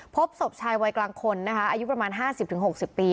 พบศพชายวัยกลางคนนะคะอายุประมาณ๕๐๖๐ปี